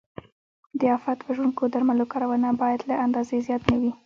د آفت وژونکو درملو کارونه باید له اندازې زیات نه وي.